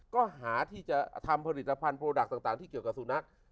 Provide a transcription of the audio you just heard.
ก็หาที่จะทำผลิตภัณฑโปรดักต์ต่างที่เกี่ยวกับสุนัข